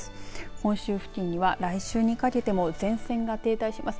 本州付近には来週にかけても前線が停滞します。